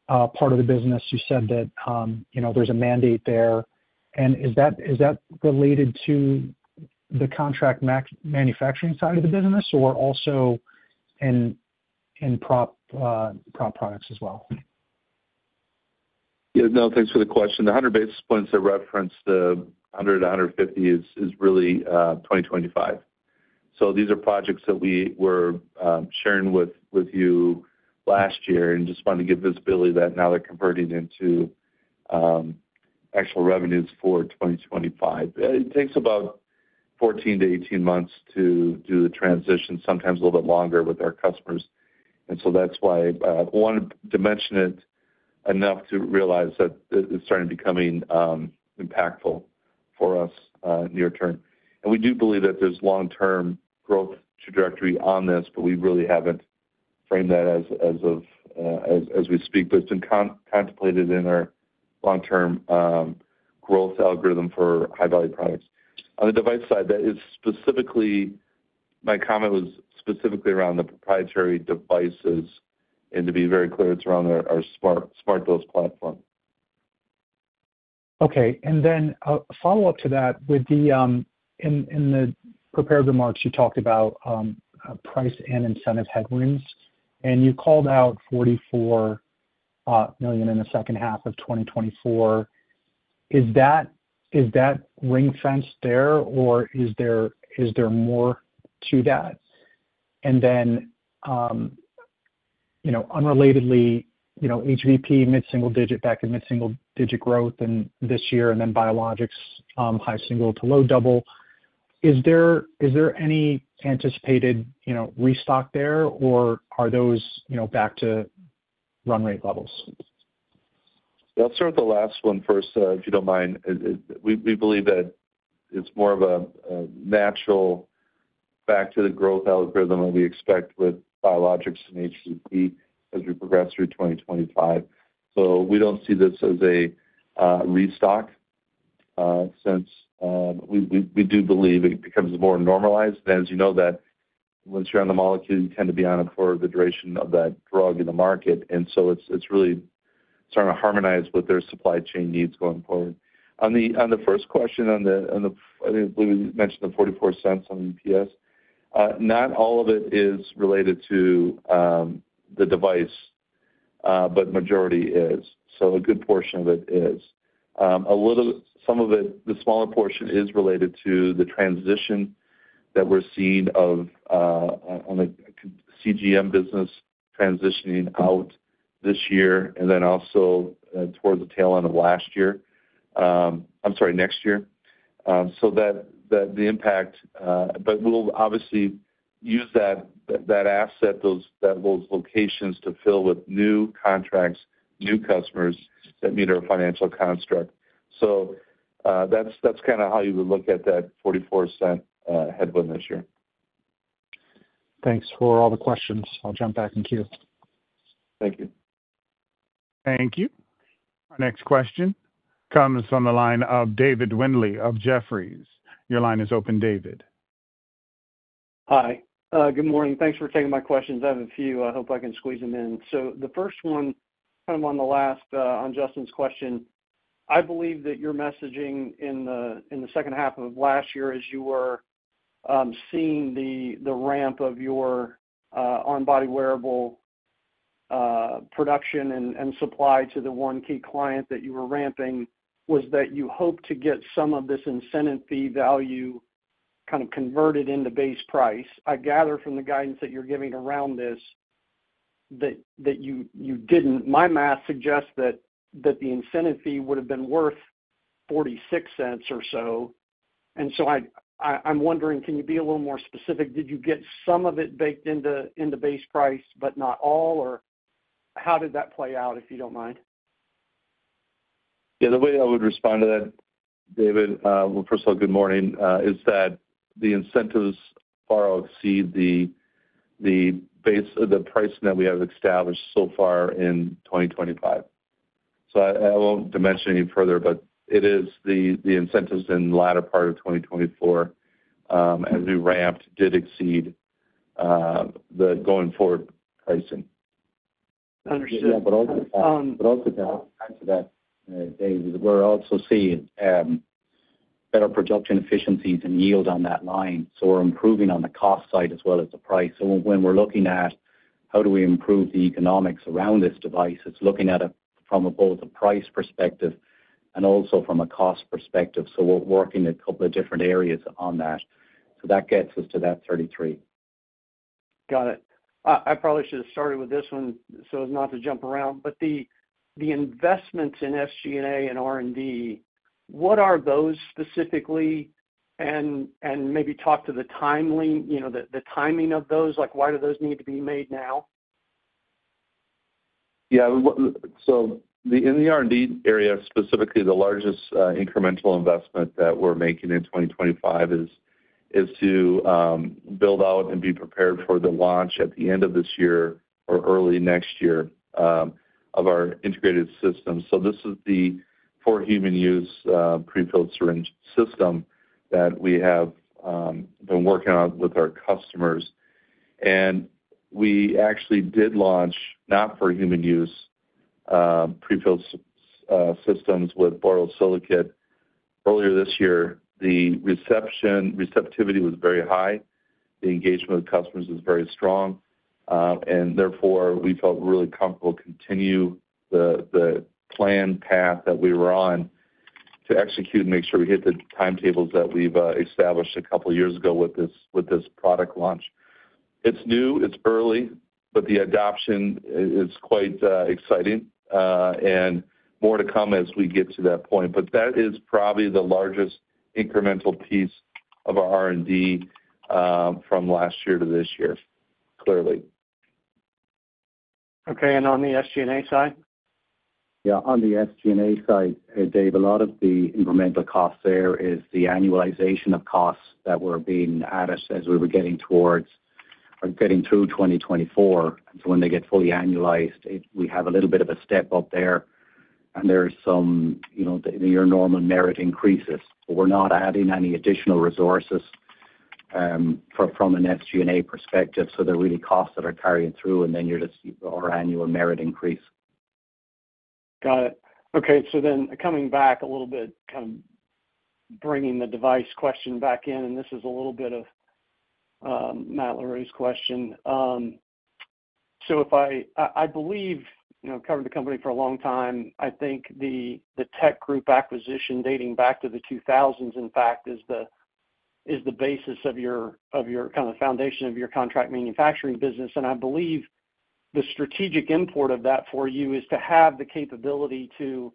part of the business, you said that there's a mandate there. And is that related to the contract manufacturing side of the business or also in prop products as well? Yeah. No, thanks for the question. The 100 basis points I referenced, the 100-150 is really 2025. So these are projects that we were sharing with you last year and just wanted to give visibility that now they're converting into actual revenues for 2025. It takes about 14-18 months to do the transition, sometimes a little bit longer with our customers. And so that's why I wanted to mention it enough to realize that it's starting to become impactful for us near term. And we do believe that there's long-term growth trajectory on this, but we really haven't framed that as of as we speak. But it's been contemplated in our long-term growth algorithm for High-Value Products. On the device side, that is specifically my comment was specifically around the proprietary devices. And to be very clear, it's around our SmartDose platform. Okay. And then a follow-up to that, in the prepared remarks, you talked about price and incentive headwinds. And you called out $44 million in the second half of 2024. Is that ring-fenced there, or is there more to that? And then unrelatedly, HVP, mid-single-digit, back to mid-single-digit growth this year, and then Biologics, high single to low double. Is there any anticipated restock there, or are those back to run rate levels? I'll start with the last one first, if you don't mind. We believe that it's more of a natural back-to-the-growth algorithm that we expect with Biologics and HVP as we progress through 2025. So we don't see this as a restock since we do believe it becomes more normalized. And as you know, that once you're on the molecule, you tend to be on it for the duration of that drug in the market. And so it's really starting to harmonize with their supply chain needs going forward. On the first question, I think we mentioned the $0.44 on EPS. Not all of it is related to the device, but the majority is. So a good portion of it is. Some of it, the smaller portion, is related to the transition that we're seeing on the CGM business transitioning out this year and then also towards the tail end of last year, I'm sorry, next year. So that the impact, but we'll obviously use that asset, those locations to fill with new contracts, new customers that meet our financial construct. So that's kind of how you would look at that $0.44 headwind this year. Thanks for all the questions. I'll jump back in queue. Thank you. Thank you. Our next question comes from the line of David Windley of Jefferies. Your line is open, David. Hi. Good morning. Thanks for taking my questions. I have a few. I hope I can squeeze them in. So the first one, kind of on the last on Justin's question, I believe that your messaging in the second half of last year as you were seeing the ramp of your on-body wearable production and supply to the one key client that you were ramping was that you hoped to get some of this incentive fee value kind of converted into base price. I gather from the guidance that you're giving around this that you didn't. My math suggests that the incentive fee would have been worth $0.46 or so. And so I'm wondering, can you be a little more specific? Did you get some of it baked into base price, but not all? Or how did that play out, if you don't mind? Yeah. The way I would respond to that, David, well, first of all, good morning, is that the incentives far out exceed the pricing that we have established so far in 2025. So I won't dimension any further, but it is the incentives in the latter part of 2024, as we ramped, did exceed the going-forward pricing. Understood. But also to add to that, David, we're also seeing better production efficiencies and yield on that line. So we're improving on the cost side as well as the price. So when we're looking at how do we improve the economics around this device, it's looking at it from both a price perspective and also from a cost perspective. So we're working in a couple of different areas on that. So that gets us to that $0.33. Got it. I probably should have started with this one so as not to jump around. But the investments in SG&A and R&D, what are those specifically? And maybe talk to the timing of those. Why do those need to be made now? Yeah. So in the R&D area, specifically, the largest incremental investment that we're making in 2025 is to build out and be prepared for the launch at the end of this year or early next year of our integrated system. So this is the for human use prefilled syringe system that we have been working on with our customers. And we actually did launch not for human use prefilled systems with borosilicate earlier this year. The receptivity was very high. The engagement with customers was very strong. And therefore, we felt really comfortable to continue the planned path that we were on to execute and make sure we hit the timetables that we've established a couple of years ago with this product launch. It's new. It's early. But the adoption is quite exciting and more to come as we get to that point. But that is probably the largest incremental piece of our R&D from last year to this year, clearly. Okay. And on the SG&A side? Yeah. On the SG&A side, Dave, a lot of the incremental cost there is the annualization of costs that were being added as we were getting towards or getting through 2024. So when they get fully annualized, we have a little bit of a step up there. And there's some near normal merit increases. But we're not adding any additional resources from an SG&A perspective. So they're really costs that are carrying through. And then you're just our annual merit increase. Got it. Okay. So then coming back a little bit, kind of bringing the device question back in. And this is a little bit of Matthew Larew's question. So I believe you've covered the company for a long time. I think the Tech Group acquisition dating back to the 2000s, in fact, is the basis of your kind of foundation of your contract manufacturing business. And I believe the strategic import of that for you is to have the capability to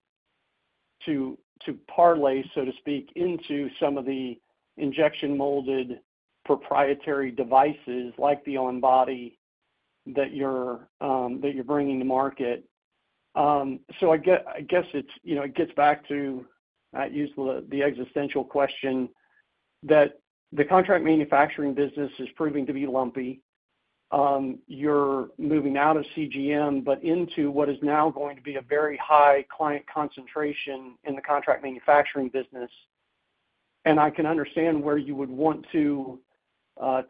parlay, so to speak, into some of the injection-molded proprietary devices like the on-body that you're bringing to market. So I guess it gets back to, I use the existential question, that the contract manufacturing business is proving to be lumpy. You're moving out of CGM, but into what is now going to be a very high client concentration in the contract manufacturing business. And I can understand where you would want to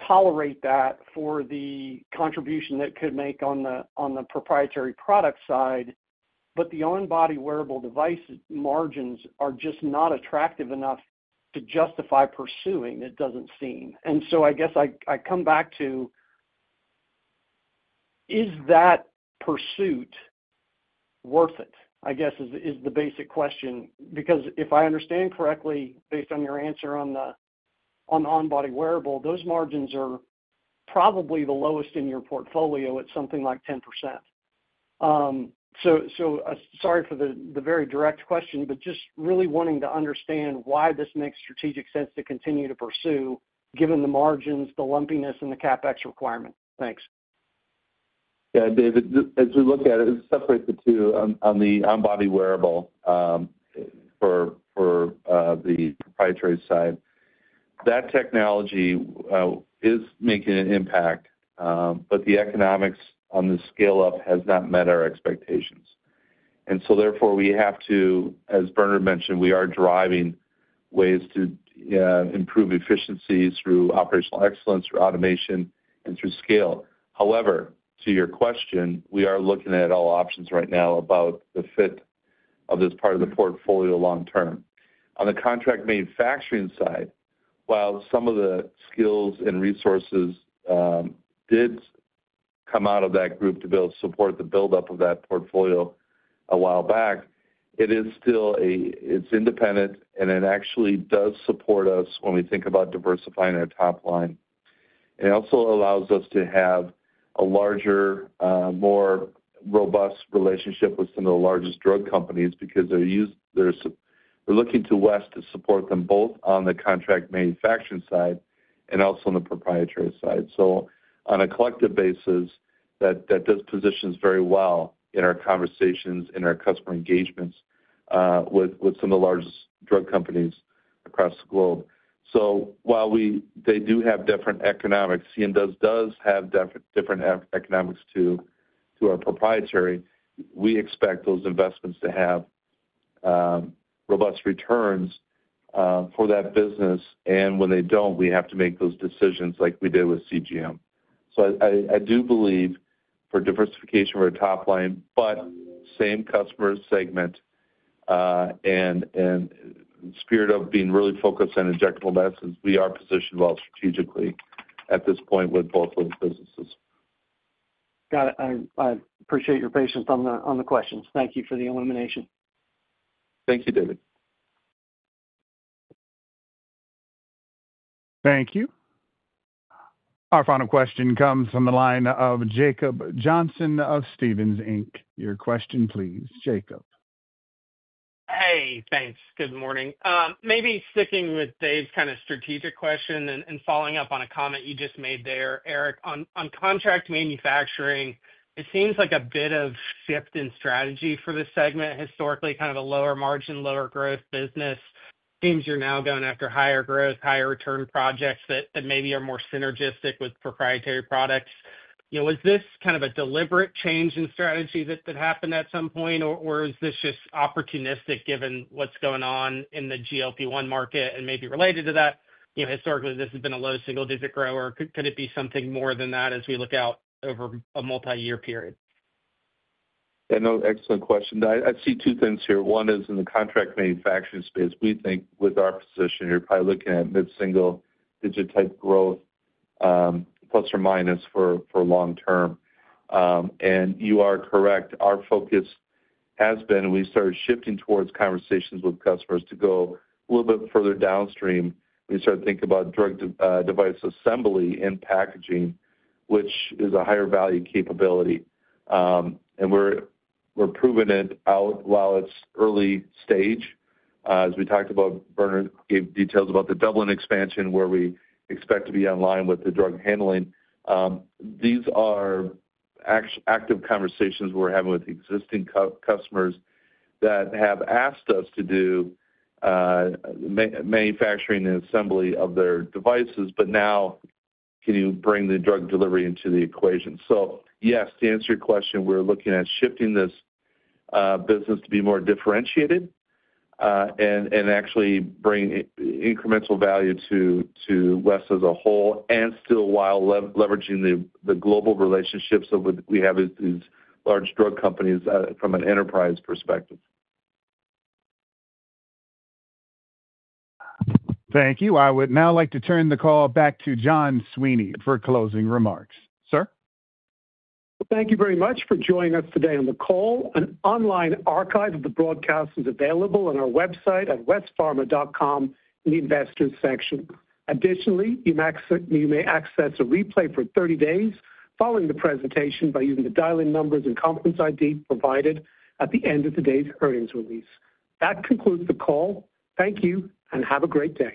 tolerate that for the contribution that could make on the proprietary product side. But the on-body wearable device margins are just not attractive enough to justify pursuing, it doesn't seem. And so I guess I come back to, is that pursuit worth it? I guess is the basic question. Because if I understand correctly, based on your answer on the on-body wearable, those margins are probably the lowest in your portfolio at something like 10%. So sorry for the very direct question, but just really wanting to understand why this makes strategic sense to continue to pursue, given the margins, the lumpiness, and the CapEx requirement. Thanks. Yeah. David, as we look at it, separate the two on the on-body wearable for the proprietary side. That technology is making an impact. But the economics on the scale-up has not met our expectations. And so therefore, we have to, as Bernard mentioned, we are driving ways to improve efficiencies through operational excellence, through automation, and through scale. However, to your question, we are looking at all options right now about the fit of this part of the portfolio long-term. On the contract manufacturing side, while some of the skills and resources did come out of that group to support the build-up of that portfolio a while back, it is still, it's independent, and it actually does support us when we think about diversifying our top line. It also allows us to have a larger, more robust relationship with some of the largest drug companies because they're looking to West to support them both on the contract manufacturing side and also on the proprietary side. So on a collective basis, that does positions very well in our conversations, in our customer engagements with some of the largest drug companies across the globe. So while they do have different economics, CM does have different economics to our proprietary. We expect those investments to have robust returns for that business. And when they don't, we have to make those decisions like we did with CGM. So I do believe for diversification of our top line, but same customer segment and spirit of being really focused on injectable medicines, we are positioned well strategically at this point with both of those businesses. Got it. I appreciate your patience on the questions. Thank you for the illumination. Thank you, David. Thank you. Our final question comes from the line of Jacob Johnson of Stephens Inc. Your question, please, Jacob. Hey. Thanks. Good morning. Maybe sticking with Dave's kind of strategic question and following up on a comment you just made there, Eric, on contract manufacturing, it seems like a bit of shift in strategy for this segment. Historically, kind of a lower margin, lower growth business. Seems you're now going after higher growth, higher return projects that maybe are more synergistic with proprietary products. Was this kind of a deliberate change in strategy that happened at some point, or is this just opportunistic given what's going on in the GLP-1 market and maybe related to that? Historically, this has been a low single-digit grower. Could it be something more than that as we look out over a multi-year period? Yeah. No, excellent question. I see two things here. One is in the contract manufacturing space, we think with our position, you're probably looking at mid-single-digit type growth, plus or minus for long-term. And you are correct. Our focus has been, we started shifting towards conversations with customers to go a little bit further downstream. We started thinking about drug device assembly and packaging, which is a higher value capability. And we're proving it out while it's early stage. As we talked about, Bernard gave details about the Dublin expansion where we expect to be online with the drug handling. These are active conversations we're having with existing customers that have asked us to do manufacturing and assembly of their devices. But now, can you bring the drug delivery into the equation? So yes, to answer your question, we're looking at shifting this business to be more differentiated and actually bring incremental value to West as a whole and still while leveraging the global relationships that we have with these large drug companies from an enterprise perspective. Thank you. I would now like to turn the call back to John Sweeney for closing remarks. Sir? Thank you very much for joining us today on the call. An online archive of the broadcast is available on our website at westpharma.com in the investors' section. Additionally, you may access a replay for 30 days following the presentation by using the dial-in numbers and conference ID provided at the end of today's earnings release. That concludes the call. Thank you and have a great day.